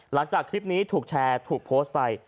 หลังจากคลิปนี้ถูกแชร์ถูกโพสต์ไป